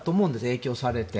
影響されて。